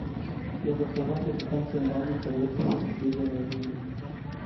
Los restaurantes están generalmente abiertos y se sirve al aire libre.